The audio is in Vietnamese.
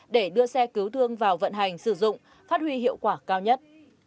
để đưa xe cứu thương vào vận hành sử dụng phát huy hiệu quả cao nhất